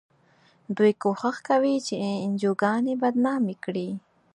دوی کوښښ کوي چې انجوګانې بدنامې کړي.